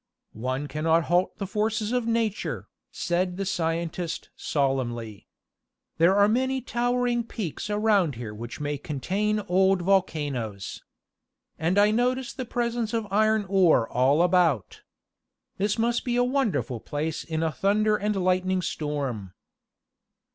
"One can not halt the forces of nature," said the scientist, solemnly. "There are many towering peaks around here which may contain old volcanoes. And I notice the presence of iron ore all about. This must be a wonderful place in a thunder and lightning storm."